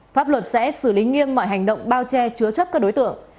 pháp luật sẽ xử lý nghiêm mọi hành động bao che chứa chấp các đối tượng